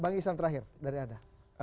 bang isan terakhir dari anda